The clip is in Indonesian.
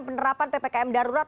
penerapan ppkm darurat